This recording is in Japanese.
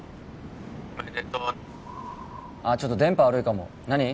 ☎おめでとうあっちょっと電波悪いかも何？